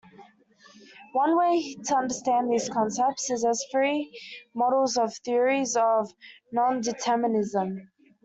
One way to understand these concepts is as free models of theories of nondeterminism.